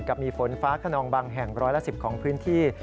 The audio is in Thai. มีฝนฟ้าขนองบางแห่งร้อยละ๑๐ของพื้นที่